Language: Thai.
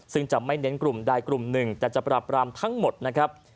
ซึ่งจะไม่เน้นกลุ่มใดกลุ่มหนึ่งแต่จะปรับรามทั้งหมดนะครับ